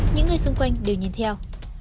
những người xung quanh đều nhìn theo